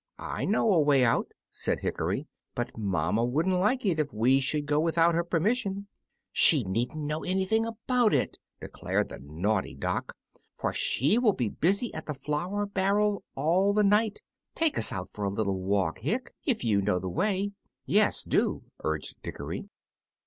"I know a way out," said Hickory, "but mamma wouldn't like it if we should go without her permission." "She needn't know anything about it," declared the naughty Dock, "for she will be busy at the flour barrel all the night. Take us out for a little walk, Hick, if you know the way." "Yes do," urged Dickory.